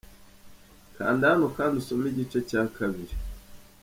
Kandahano kandi usome igice cya kabiri.